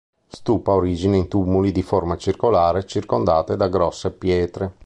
Stupa ha origine in tumuli di forma circolare circondate da grosse pietre.